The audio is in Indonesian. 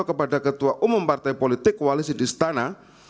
kepada ketua umum partai politik wali sidistana